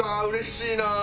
うれしいな！